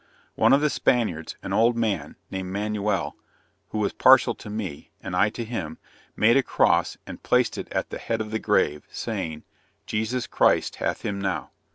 One of the Spaniards, an old man, named Manuel, who was partial to me, and I to him, made a cross and placed it at the head of the grave saying, "Jesus Christ hath him now."